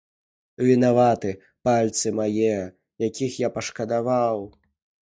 Вінаваты пальцы мае, якіх я пашкадаваў.